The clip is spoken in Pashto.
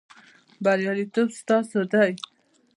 بریالیتوب ستاسو دی